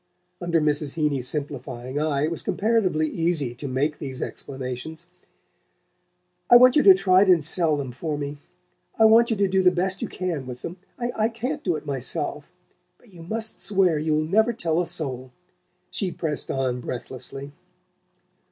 Under Mrs. Heeny's simplifying eye it was comparatively easy to make these explanations. "I want you to try and sell them for me I want you to do the best you can with them. I can't do it myself but you must swear you'll never tell a soul," she pressed on breathlessly.